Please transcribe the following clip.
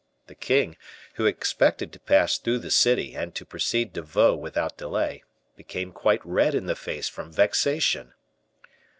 The king, who expected to pass through the city and to proceed to Vaux without delay, became quite red in the face from vexation.